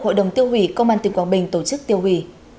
hội đồng tiêu hủy công an tỉnh quảng bình tổ chức tiêu hủy